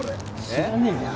知らねえよ。